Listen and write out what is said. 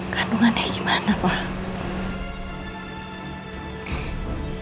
kandungannya gimana pak